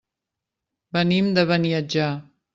Venim de Beniatjar.